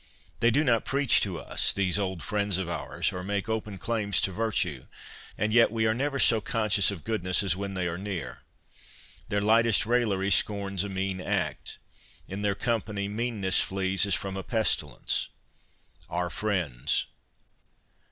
They do not preach to us, these old friends of ours, or make open claims to virtue ; and yet we are never so conscious of goodness as when they are near. Their lightest raillery scorns a mean act. In their company meanness flees as from a pestilence. . Our friends